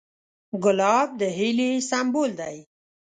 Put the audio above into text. ګلاب د هیلې سمبول دی.